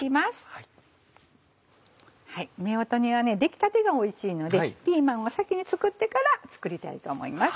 夫婦煮は出来たてがおいしいのでピーマンを先に作ってから作りたいと思います。